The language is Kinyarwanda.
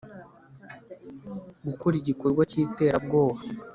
gukora igikorwa cy iterabwoba